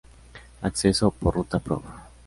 Acceso: por Ruta Prov.